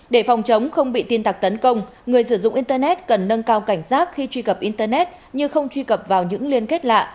để phòng chống không bị tin tặc tấn công người sử dụng internet cần nâng cao cảnh giác khi truy cập internet như không truy cập vào những liên kết lạ